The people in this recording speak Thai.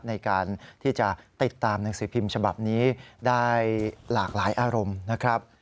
ในการที่จะติดตามหนังสือพิมพ์ฉบับนี้ได้หลากหลายอารมณ์นะครับ